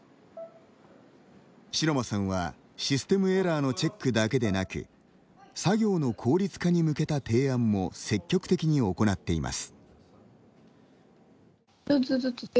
城間さんは、システムエラーのチェックだけでなく作業の効率化に向けた提案も積極的に行っています。